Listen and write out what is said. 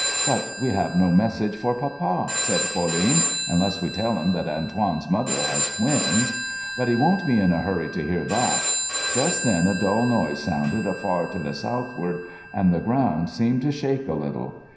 "But we have no message for papa," said Pauline, "unless we tell him that Antoine's mother has twins." "And he won't be in a hurry to hear that." Just then a dull noise sounded afar to the southward, and the ground seemed to shake a little.